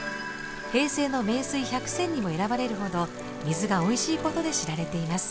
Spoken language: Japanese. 平成の名水百選にも選ばれるほど水が美味しい事で知られています。